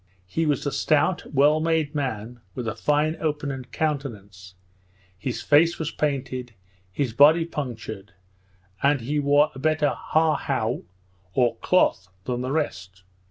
He was a stout well made man, with a fine open countenance, his face was painted, his body punctured, and he wore a better Ha hou, or cloth, than the rest.